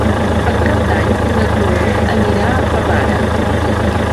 Per Cap d'Any na Cloè anirà a Favara.